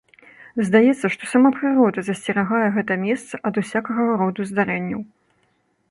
Здаецца, што сама прырода засцерагае гэта месца ад усякага роду здарэнняў.